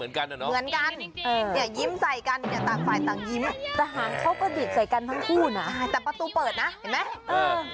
แต่หาเขาก็ดิดใส่กันทั้งคู่น่ะแต่ประตูเปิดน่ะเห็นไหมเออ